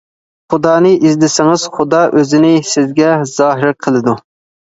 خۇدانى ئىزدىسىڭىز، خۇدا ئۆزىنى سىزگە زاھىر قىلىدۇ.